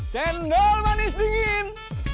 cendol manis dingin